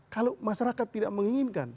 kalau masyarakat tidak menginginkan